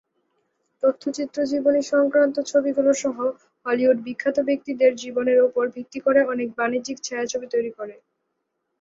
তথ্যচিত্র জীবনী সংক্রান্ত ছবিগুলো সহ হলিউড বিখ্যাত ব্যক্তিদের জীবনের উপর ভিত্তি করে অনেক বাণিজ্যিক ছায়াছবি তৈরি করে।